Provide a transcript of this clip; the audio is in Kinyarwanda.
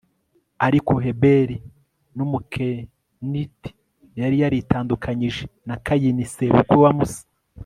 ariko heberi w'umukeniti yari yaritandukanyije na kayini sebukwe wa musa